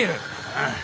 ああ。